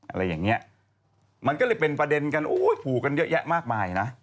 อะไรอย่างเงี้ยมันก็เลยเป็นประเด็นกันโอ้ยผูกกันเยอะแยะมากมายนะ